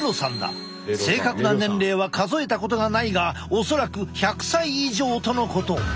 正確な年齢は数えたことがないが恐らく１００歳以上とのこと。